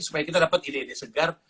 supaya kita dapat ide ide segar